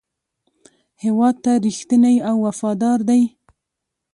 هېواد ته رښتینی او وفادار دی.